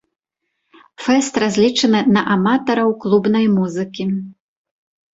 Фэст разлічаны на аматараў клубнай музыкі.